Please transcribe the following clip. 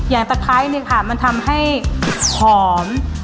อย่างสะท้ายนี่ค่ะมันทำให้หอม